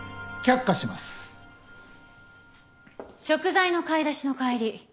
食材の買い出しの帰り